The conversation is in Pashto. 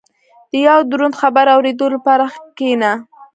• د یو دروند خبر اورېدو لپاره کښېنه.